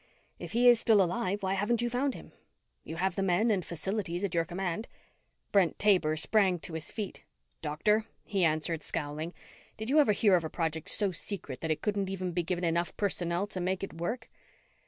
If he is still alive, why haven't you found him? You have the men and facilities at your command." Brent Taber sprang to his feet. "Doctor," he answered, scowling, "Did you ever hear of a project so secret that it couldn't even be given enough personnel to make it work?"